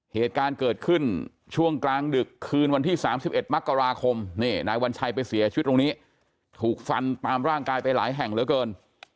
เหตุการณ์เกิดขึ้นช่วงกลางดึกคืนวันที่๓๑มกราคมนายวัญชัยไปเสียชีวิตตรงนี้ถูกฟันตามร่างกายไปหลายแห่งเหลือเกิน